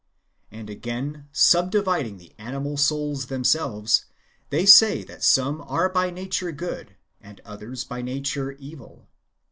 And again subdividing the animal souls themselves, they say that some are by nature good, and others by nature evil.